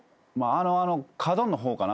あの角の方かな。